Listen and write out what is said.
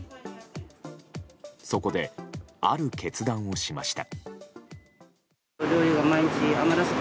そこで、ある決断をしました。